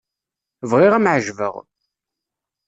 Bɣiɣ ad m-εeǧbeɣ.